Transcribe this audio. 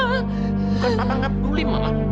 bukan papa gak peduli mama